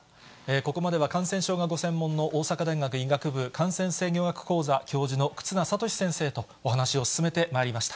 ここまでは感染症がご専門の、大阪大学医学部感染制御学講座教授の忽那賢志先生とお話を進めてまいりました。